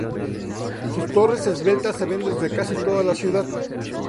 Sus torres esbeltas se ven desde casi toda la ciudad.